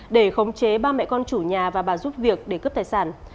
để khống chế ba mẹ con chủ nhà và bà giúp việc để cướp tài sản